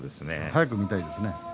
早く見たいですね。